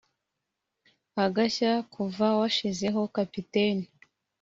Agashya kuva uwashizeho Kapiteni